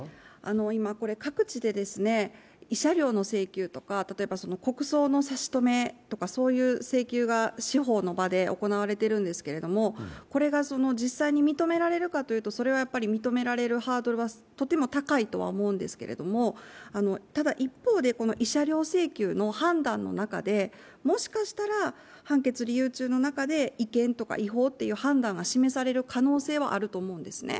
今、各地で慰謝料の請求とか国葬の差し止めとかそういう請求が司法の場で行われているんですけれどもこれが実際に認められるかというとそれは認められるハードルはとても高いとは思うんですけれどもただ、一方で慰謝料請求の判断の中で、もしかしたら判決理由中で、違憲とか違法という判断が示される可能性はあると思うんですね。